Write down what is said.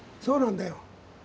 そうなんだよ。